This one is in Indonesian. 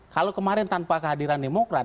kalau kemarin tanpa kehadiran demokrat